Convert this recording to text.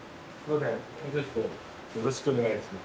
よろしくお願いします。